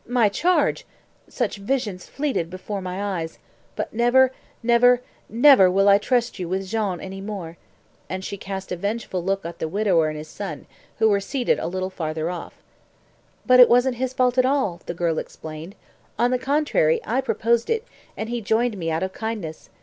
My charge! Such visions fleeted before my eyes. But never, never, never will I trust you with Jean any more," and she cast a vengeful look at the widower and his son, who were seated a little farther off. "But it wasn't his fault at all," the girl explained. "On the contrary, I proposed it, and he joined me out of kindness.